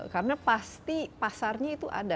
karena pasti pasarnya itu ada